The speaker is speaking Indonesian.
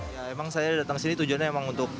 memang saya datang sini tujuannya untuk